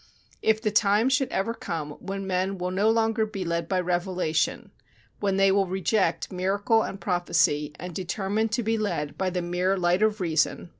"If the time should ever come when men will no longer be led by revelation, when they will reject miracle and prophecy, and determine to be led by the mere light of reason